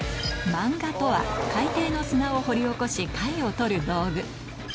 マンガとは、海底の砂を掘り起こし貝を取る道具。